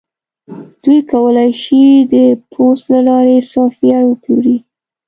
دوی کولی شي د پوست له لارې سافټویر وپلوري